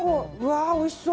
おいしそう。